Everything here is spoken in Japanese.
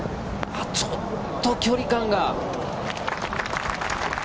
ちょっと距離感が。